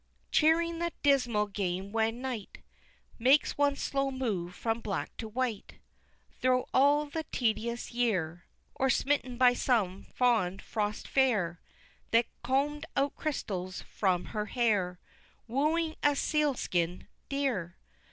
Cheering that dismal game where Night Makes one slow move from black to white Thro' all the tedious year, Or smitten by some fond frost fair, That comb'd out crystals from her hair, Wooing a seal skin dear!